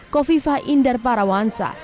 kofifa indar parawansa